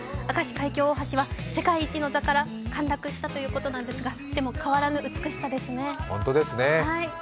明石海峡大橋は世界一の座から陥落したということですがでも変わらぬ美しさですね。